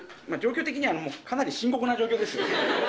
まぁ状況的にはかなり深刻な状況です。